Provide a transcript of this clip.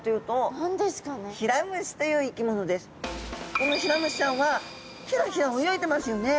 このヒラムシちゃんはヒラヒラ泳いでますよね。